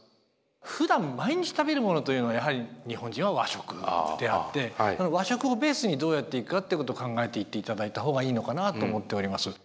ふだん毎日食べる物というのはやはり日本人は和食であって和食をベースにどうやっていくかってことを考えていって頂いた方がいいのかなあと思っております。